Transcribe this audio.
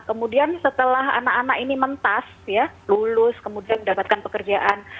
kemudian setelah anak anak ini mentas ya lulus kemudian mendapatkan pekerjaan